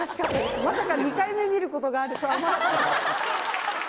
まさか２回見ることがあるとは思わなかった。